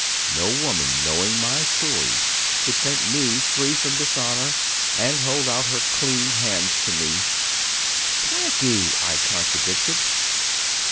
No woman knowing my story would think me free from dishonor, and hold out her clean hands to me.' 'Plenty,' I contradicted.